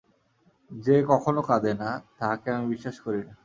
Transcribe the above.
যে কখনও কাঁদে না, তাহাকে আমি বিশ্বাস করি না।